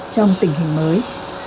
trong tình hình mới